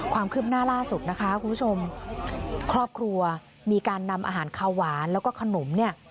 ความคืบหน้าล่าสุดนะคะคุณผู้ชมครอบครัวมีการนำอาหารขาวหวานแล้วก็ขนมเนี่ย